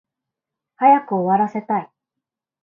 早く終わらせたい